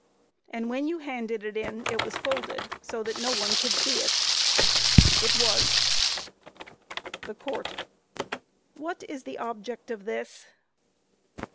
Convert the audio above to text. Q. And when you handed it in it was folded, so that no one could see it? A. It was. THE COURT: What is the object of this?